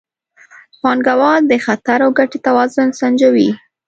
پانګوال د خطر او ګټې توازن سنجوي.